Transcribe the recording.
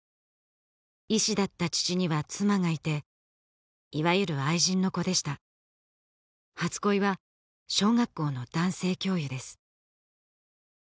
医師だった父には妻がいていわゆる愛人の子でした初恋は小学校の男性教諭です